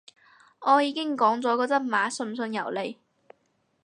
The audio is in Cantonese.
我已經講咗個真話，信唔信由你